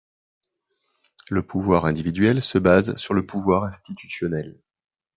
Le pouvoir individuel se base sur le pouvoir institutionnel.